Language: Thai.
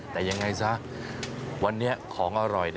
แต่ยังไงซะวันนี้ของอร่อย